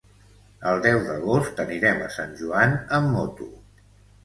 El deu d'agost anirem a Sant Joan amb moto.